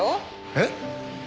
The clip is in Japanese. えっ？